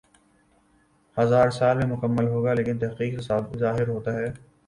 ہزا ر سال میں مکمل ہوگا لیکن تحقیق سی ظاہر ہوتا ہی